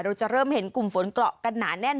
เราจะเริ่มเห็นกลุ่มฝนเกาะกันหนาแน่น